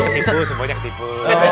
ketipu semuanya ketipu